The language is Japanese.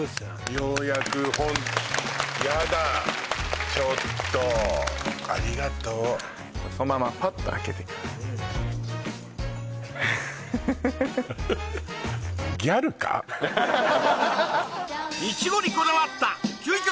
ようやくやだちょっとありがとうそのままパッと開けてください